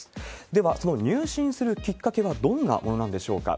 では、その入信するきっかけはどんなものなんでしょうか。